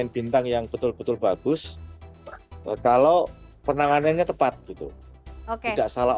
bintang yang betul betul bagus kalau penanganannya tepat gitu tidak salah